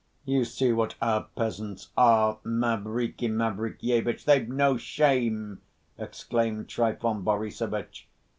"You see what our peasants are, Mavriky Mavrikyevitch. They've no shame!" exclaimed Trifon Borissovitch.